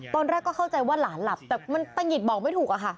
ตอนแรกก็เข้าใจว่าหลานหลับแต่มันตะหงิดบอกไม่ถูกอะค่ะ